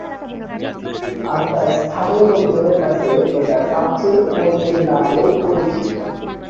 আর তাই এস্থানিয় লোকজনের কাছে এটা কাচের মন্দির নামেও পরিচিত।